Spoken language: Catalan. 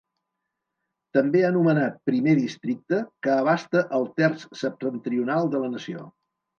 També anomenat Primer Districte, que abasta el terç septentrional de la nació.